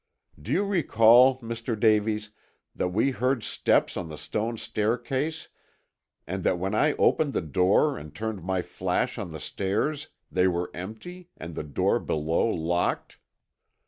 Do you recall, Mr. Davies, that we heard steps on the stone staircase and that when I opened the door and turned my flash on the stairs they were empty and the door below locked?"